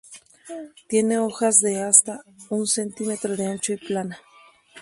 Tiene hojas de hasta un centímetro de ancho y plana.